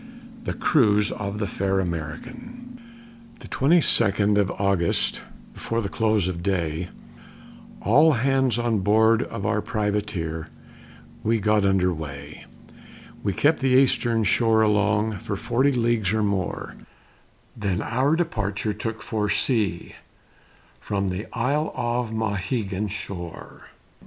THE CRUISE OF THE FAIR AMERICAN The twenty second of August, Before the close of day, All hands on board of our privateer, We got her under weigh; We kept the Eastern shore along, For forty leagues or more, Then our departure took for sea, From the isle of Mauhegan shore.